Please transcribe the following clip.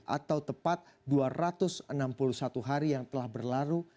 atau tepat dua ratus enam puluh satu hari yang telah berlalu